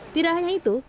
tidak hanya itu